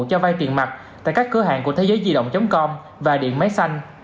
cho bay tiền mặt tại các cửa hàng của thế giớidi động com và điện máy xanh